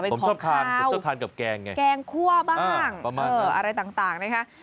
เป็นของข้าวแกงคั่วบ้างอะไรต่างนะครับผมชอบทานกับแกง